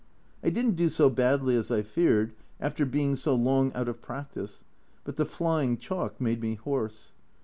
I didn't do so badly as I feared, after being so long out of practice, but the flying chalk made me hoarse.